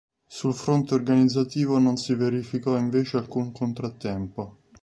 Sul fronte organizzativo non si verificò invece alcun contrattempo.